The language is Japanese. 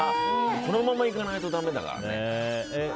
このまま行かないとだめだから。